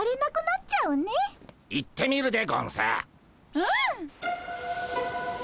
うん。